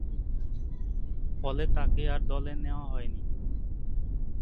ফলে তাকে আর দলে নেয়া হয়নি।